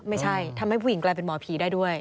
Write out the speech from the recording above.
ไม่ใช่ทำให้ผู้หญิงกลายเป็นหมอผีได้ด้วย